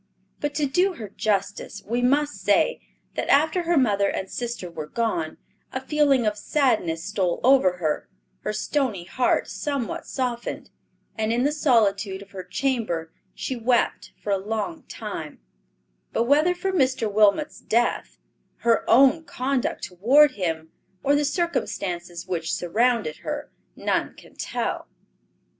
But to do her justice, we must say, that after her mother and sister were gone, a feeling of sadness stole over her; her stony heart somewhat softened, and in the solitude of her chamber she wept for a long time; but whether for Mr. Wilmot's death, her own conduct toward him, or the circumstances which surrounded her, none can tell.